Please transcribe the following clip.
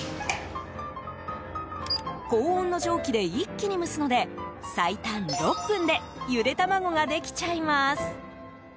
高温の蒸気で一気に蒸すので最短６分でゆで卵ができちゃいます。